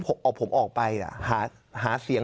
พอผมออกไปหาเสียง